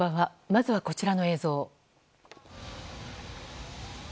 まずは、こちらの映像。